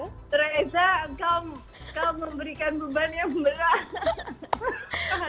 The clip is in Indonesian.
mbak ladiah kau memberikan beban yang berat